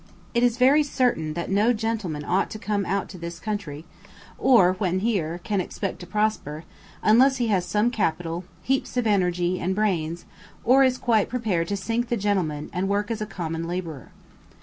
It is very certain that no gentleman ought to come out to this country, or, when here, can expect to prosper, unless he has some capital, heaps of energy, and brains, or is quite prepared to sink the gentleman and work as a common labourer.